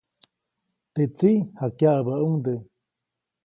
Teʼ tsiʼ jakyaʼäbäʼuŋde.